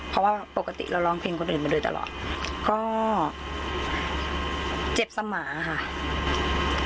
เพราะว่าปกติเราร้องเพลงคนอื่นมาโดยตลอดก็เจ็บสมาค่ะ